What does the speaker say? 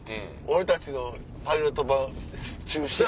俺たちのパイロット版中止。